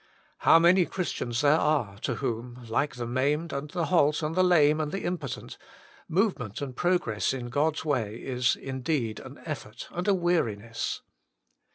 How many Christians there are to whom, like the maimed and the halt and the lame and the impotent, movement and progress in God s way is indeed an effort and a weariness.